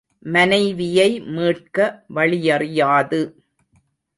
மனைவியை மீட்க வழியறியாது.